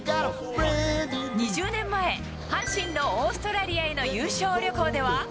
２０年前、阪神のオーストラリアへの優勝旅行では。